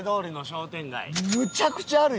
むちゃくちゃあるよ？